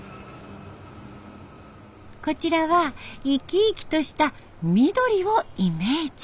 こちらは生き生きとした緑をイメージ。